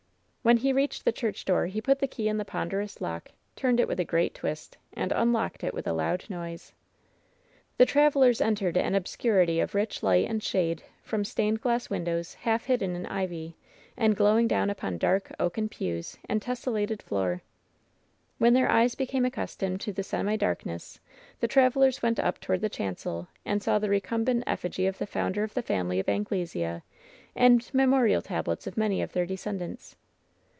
When he reached the church door he put the key in the ponderous lock, turned it with a great twist, and imlocked it with a loud noise. The travelers entered an obscurity of rich light and shade from stained glass windows, half hidden in ivy, 224 LOVE'S BITTEREST CUP and glowing down upon dark oaken pews and tessellated floor. When their eyes became accustomed to the semidark ness, the travelers went up toward the chancel, and saw the recumbent eflSgy of the founder of the family of Anglesea, and memorial tablets of many of their de scendants.